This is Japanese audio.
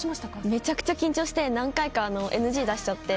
めちゃくちゃ緊張して何回かＮＧを出しちゃって。